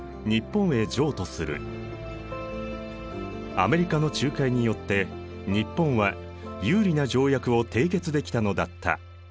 アメリカの仲介によって日本は有利な条約を締結できたのだった。